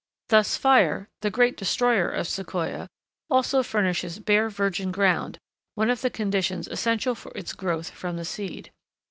Thus fire, the great destroyer of Sequoia, also furnishes bare virgin ground, one of the conditions essential for its growth from the seed.